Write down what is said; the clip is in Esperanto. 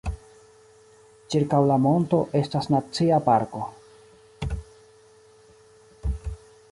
Ĉirkaŭ la monto estas nacia parko.